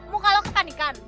muka lo kepanikan